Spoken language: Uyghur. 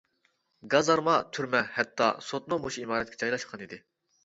گازارما، تۈرمە، ھەتتا سوتمۇ مۇشۇ ئىمارەتكە جايلاشقانىدى.